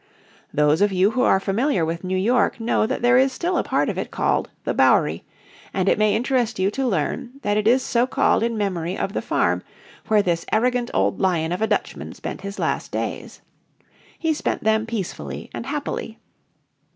Those of you who are familiar with New York know that there is still a part of it called The Bowery, and it may interest you to learn that it is so called in memory of the farm where this arrogant old lion of a Dutchman spent his last days. He spent them peacefully and happily.